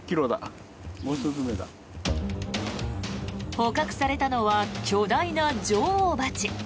捕獲されたのは巨大な女王蜂。